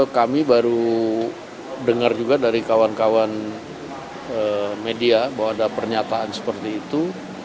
kami baru dengar juga dari kawan kawan media bahwa ada pernyataan seperti itu